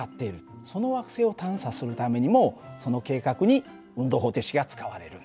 その惑星を探査するためにもその計画に運動方程式が使われるんだ。